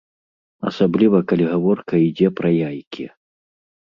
Асабліва калі гаворка ідзе пра яйкі.